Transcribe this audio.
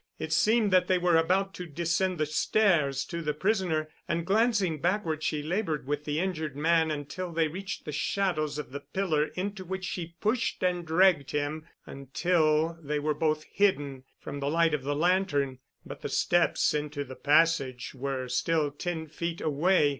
It seemed that they were about to descend the stairs to the prisoner, and glancing backward she labored with the injured man until they reached the shadows of the pillar into which she pushed and dragged him until they were both hidden from the light of the lantern. But the steps into the passage were still ten feet away.